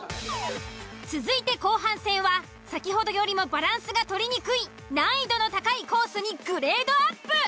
続いて後半戦は先ほどよりもバランスが取りにくい難易度の高いコースにグレードアップ。